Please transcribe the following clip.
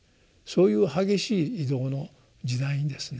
そういう激しい移動の時代にですね